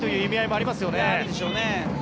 あるでしょうね。